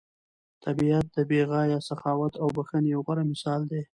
طبیعت د بې غایه سخاوت او بښنې یو غوره مثال دی.